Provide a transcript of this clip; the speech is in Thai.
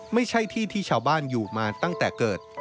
ไม่ใช่ที่ที่ชาวบ้านอยู่มาตั้งแต่เกิด